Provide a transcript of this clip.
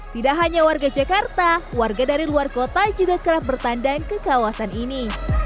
tidak hanya warga jakarta warga dari luar kota juga kerap bertandang ke kawasan ini